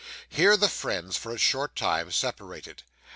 Here the friends, for a short time, separated.